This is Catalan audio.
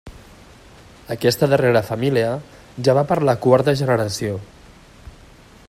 Aquesta darrera família ja va per la quarta generació.